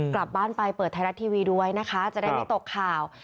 กลับบ้านไปเปิดไทยรัฐทีวีด้วยนะคะจะได้ไม่ตกข่าว